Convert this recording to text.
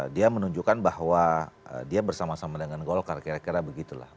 dia menunjukkan bahwa dia bersama sama dengan golkar kira kira begitulah